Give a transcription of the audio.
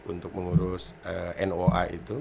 untuk mengurus noa itu